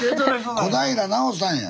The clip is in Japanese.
小平奈緒さんや。